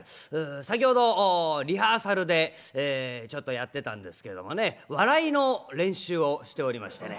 先ほどリハーサルでちょっとやってたんですけどもね笑いの練習をしておりましてね。